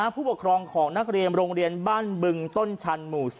ผู้ปกครองของนักเรียนโรงเรียนบ้านบึงต้นชันหมู่๔